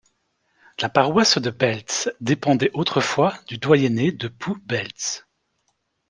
La paroisse de Belz dépendait autrefois du doyenné de Pou-Belz.